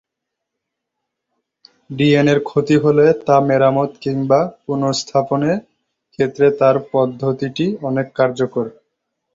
ডিএনএ’র ক্ষতি হলে তা মেরামত কিংবা পুনঃস্থাপনের ক্ষেত্রে তার পদ্ধতিটি অনেক কার্যকর।